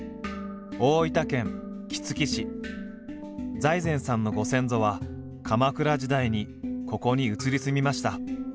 財前さんのご先祖は鎌倉時代にここに移り住みました。